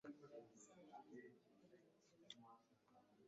Kandi amayeri yuburiganya bwe bukomeye